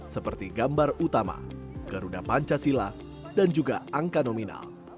seperti gambar utama garuda pancasila dan juga angka nominal